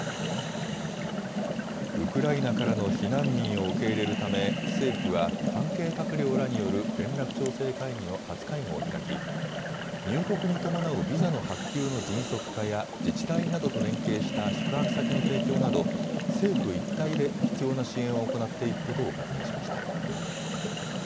ウクライナからの避難民を受け入れるため政府は関係閣僚らによる連絡調整会議の初会合を開き入国に伴うビザの発給の迅速化や自治体などと連携した宿泊先の提供など政府一体で必要な支援を行っていくことを確認しました。